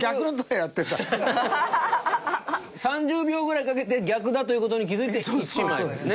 ３０秒ぐらいかけて逆だという事に気づいて１枚ですね。